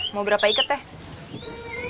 mau berapa iket ya